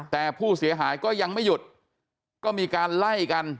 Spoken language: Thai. แต่ผู้เสียหายก็ยังไม่หยุดก็มีการไล่กัน